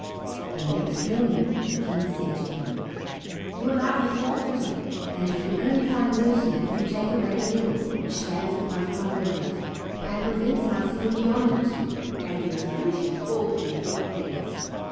The next morning the King said to him, "Your life is forfeited, and you can only find mercy if you take away the hill which stands in front of my windows, and prevents my seeing beyond it; and you must finish it all within eight days.